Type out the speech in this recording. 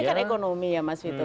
ini kan ekonomi ya mas vito